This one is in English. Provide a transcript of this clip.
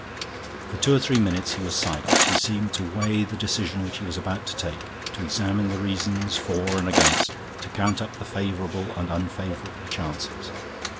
For two or three minutes, he was silent. He seemed to weigh the decision which he was about to take, to examine the reasons for and against, to count up the favorable and unfavorable chances.